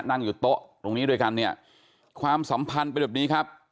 นั่งอยู่โต๊ะตรงนี้ด้วยกันเนี่ยความสัมพันธ์เป็นแบบนี้ครับ